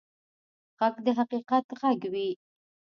غږ د حقیقت غږ وي